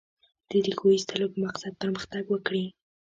د ریښو ایستلو په مقصد پرمختګ وکړي.